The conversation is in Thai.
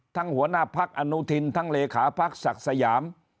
หัวหน้าพักอนุทินทั้งเลขาพักศักดิ์สยาม